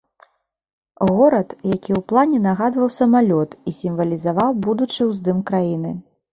Горад, які ў плане нагадваў самалёт і сімвалізаваў будучы ўздым краіны.